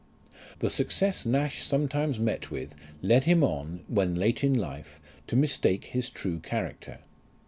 The success Nash sometimes met with led him on, when late in life, to mistake his true character.